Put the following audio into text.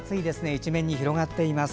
一面に広がっています。